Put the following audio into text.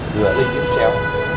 vừa lây kiểm trèo